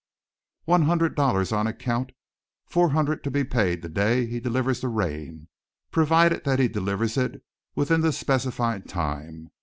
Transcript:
"One hundred dollars on account, four hundred to be paid the day he delivers the rain provided that he delivers it within the specified time.